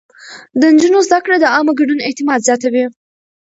د نجونو زده کړه د عامه ګډون اعتماد زياتوي.